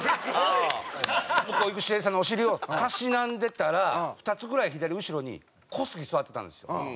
向こう行くＣＡさんのお尻をたしなんでたら２つぐらい左後ろに小杉座ってたんですよ。